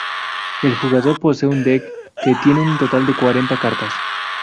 El jugador posee un Deck que tiene un total de cuarenta cartas.